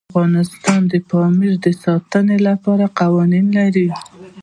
افغانستان د پامیر د ساتنې لپاره قوانین لري.